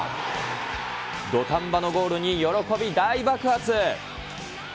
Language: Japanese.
土壇場のゴールに喜び大爆発。